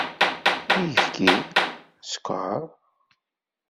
Ayefki? Sskeṛ?